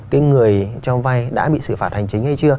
cái người cho vay đã bị xử phạt hành chính hay chưa